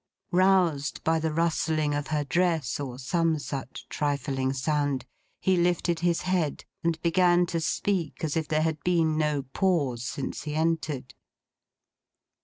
Roused by the rustling of her dress, or some such trifling sound, he lifted his head, and began to speak as if there had been no pause since he entered.